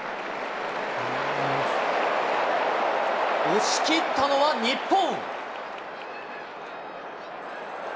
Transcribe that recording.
押し切ったのは日本。